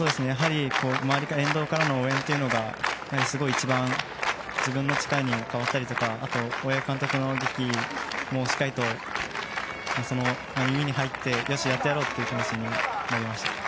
周り、沿道からの応援というのがすごい一番自分の力に変わったりとかあと、大八木監督の檄もしっかりと耳に入ってよし、やってやろうという気になりました。